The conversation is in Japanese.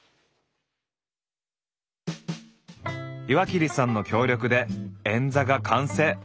岩切さんの協力で円座が完成。